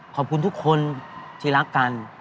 ขอบคุณทุกคนที่รักกัน